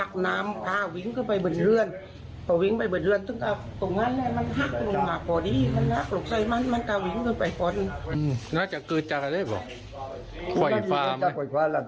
มันมีปลั๊กมันมีปลั๊กมันมีปลั๊กมันมีปลั๊ก